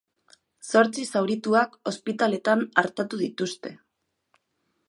Zortzi zaurituak ospitaletan artatu dituzte.